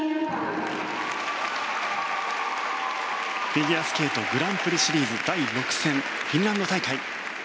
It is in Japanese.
フィギュアスケートグランプリシリーズ第６戦フィンランド大会。